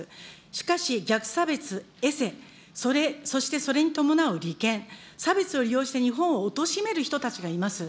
しかし、逆差別、えせ、そしてそれに伴う利権、差別を利用して日本をおとしめる人たちがいます。